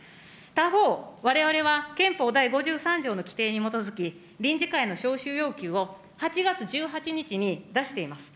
他方、われわれは、憲法第５３条の規定に基づき、臨時会の召集要求を８月１８日に出しています。